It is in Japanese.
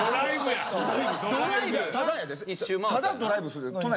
ただドライブする都内